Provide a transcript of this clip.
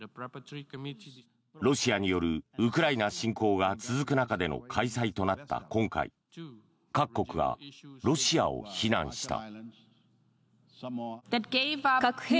ロシアによるウクライナ侵攻が続く中での開催となった今回各国がロシアを非難した。